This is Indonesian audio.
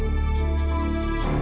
pak aku mau pergi